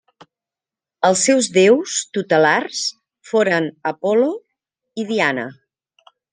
Els seus déus tutelars foren Apol·lo i Diana.